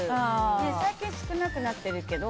最近少なくなってるけど。